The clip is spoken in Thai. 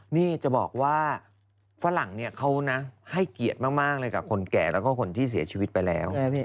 นี่จะบอกว่าฝรั่งเนี่ยเขานะให้เกียรติมากเลยกับคนแก่แล้วก็คนที่เสียชีวิตไปแล้ว